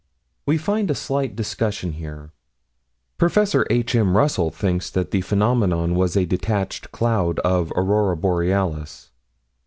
We find a slight discussion here. Prof. H.M. Russell thinks that the phenomenon was a detached cloud of aurora borealis.